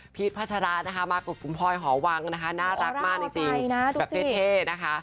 พัชรานะคะมากับคุณพลอยหอวังนะคะน่ารักมากจริงแบบเท่นะคะ